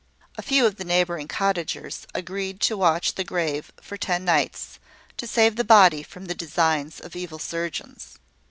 A few of the neighbouring cottagers agreed to watch the grave for ten nights, to save the body from the designs of evil surgeons.